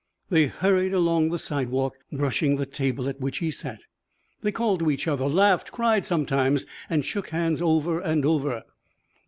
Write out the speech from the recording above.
They hurried along the sidewalk, brushing the table at which he sat. They called to each other, laughed, cried sometimes, and shook hands over and over.